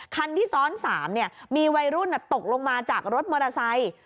คันที่ซ้อน๓มีวัยรุ่นตกลงมาจากรถมอเตอร์ไซค์